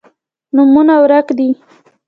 نومونه ورک دي